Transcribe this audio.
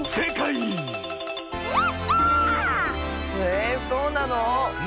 えそうなの⁉